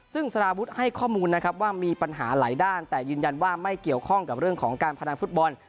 ซึ่งสารวุฒิให้ข้อมูลนะครับว่ามีปัญหาหลายด้านแต่ยืนยันว่าไม่เกี่ยวข้องกับเรื่องของการพนันฟุตบอล